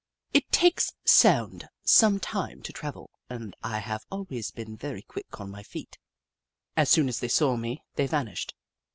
It takes sound some time to travel and I have always been very quick on my feet. As soon as they saw me, they vanished.